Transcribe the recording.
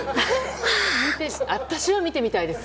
私は見てみたいです！